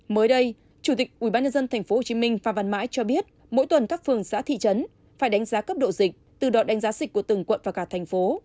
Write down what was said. mới đây chủ tịch ubnd tp hcm phan văn mãi cho biết mỗi tuần các phường xã thị trấn phải đánh giá cấp độ dịch từ đợt đánh giá dịch của từng quận và cả thành phố